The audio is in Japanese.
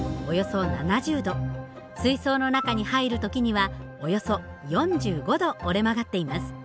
水槽の中に入る時にはおよそ４５度折れ曲がっています。